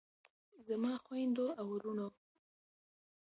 زما خویندو او وروڼو.